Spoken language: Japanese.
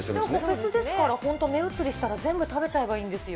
フェスですから、目移りしたら全部食べちゃえばいいんですよ。